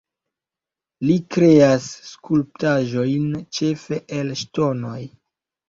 Li kreas skulptaĵojn ĉefe el ŝtonoj.